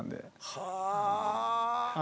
はあ。